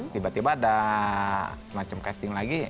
tiba tiba ada semacam casting lagi